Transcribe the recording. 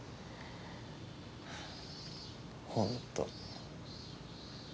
本当。